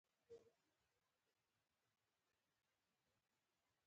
آزاد تجارت مهم دی ځکه چې برابري رامنځته کوي.